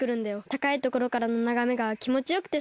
たかいところからのながめがきもちよくてさ。